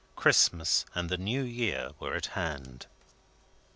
Christmas and the New Year were at hand.